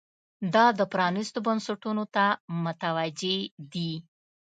دا پرانیستو بنسټونو ته متوجې دي.